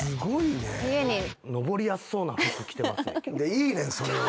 いいねんそれは。